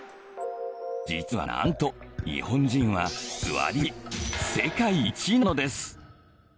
実はなんと日本人は座りすぎ世界一なのです。